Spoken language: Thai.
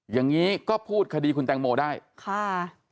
อย่างนี้ก็พูดคดีคุณแตงโมได้ค่ะ